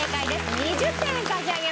２０点差し上げます。